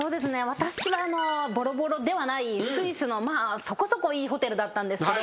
私はボロボロではないスイスのそこそこいいホテルだったんですけど。